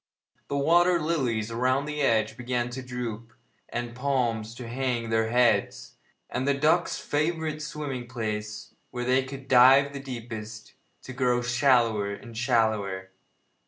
The water lilies around the edge began to droop, and the palms to hang their heads, and the ducks' favourite swimming place, where they could dive the deepest, to grow shallower and shallower.